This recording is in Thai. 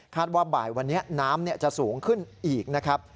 ว่าบ่ายวันนี้น้ำจะสูงขึ้นอีกนะครับ